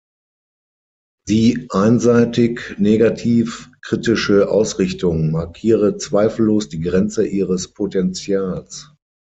Die „einseitig negativ-kritische Ausrichtung“ markiere zweifellos die Grenze ihres Potentials.